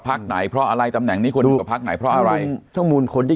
ไหนเพราะอะไรตำแหน่งนี้ควรอยู่กับพักไหนเพราะอะไรข้อมูลคนที่